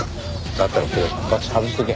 だったらこれバッジ外しとけ。